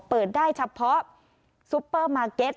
เปิดได้เฉพาะซุปเปอร์มาร์เก็ต